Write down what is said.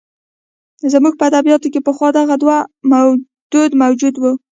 زموږ په ادبیاتو کې پخوا دغه دود موجود و.